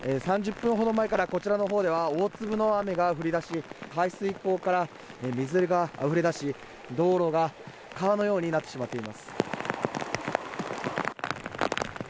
３０分ほど前からこちらの方では大粒の雨が降り出し排水溝から水があふれ出し道路が川のようになってしまっています。